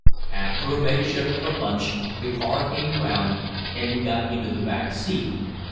"After a makeshift of a lunch, the car came round, and we got into the back seat.